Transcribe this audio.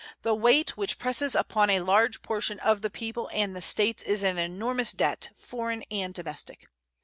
The weight which presses upon a large portion of the people and the States is an enormous debt, foreign and domestic.